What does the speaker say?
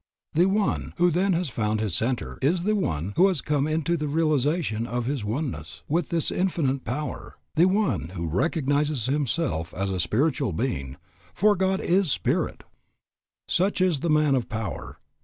The one who then has found his centre is the one who has come into the realization of his oneness with this Infinite Power, the one who recognizes himself as a spiritual being, for God is spirit. Such is the man of power.